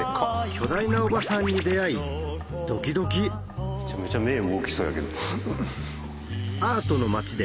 巨大なおばさんに出会いドキドキめちゃめちゃ目動きそうやけど。